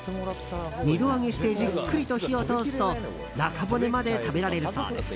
二度揚げしてじっくりと火を通すと中骨まで食べられるそうです。